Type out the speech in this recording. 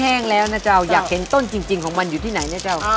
แห้งแล้วนะเจ้าอยากเห็นต้นจริงของมันอยู่ที่ไหนนะเจ้า